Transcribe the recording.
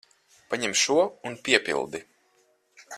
Paņem šo un piepildi.